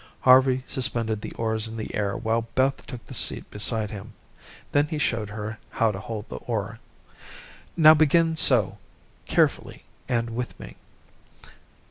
Harvey suspended the oars in the air while Beth took the seat beside him. Then he showed her how to hold the oar. "Now begin so carefully and with me."